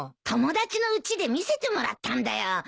友達のうちで見せてもらったんだよ。